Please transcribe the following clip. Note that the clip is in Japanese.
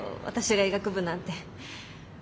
私が医学部なんて。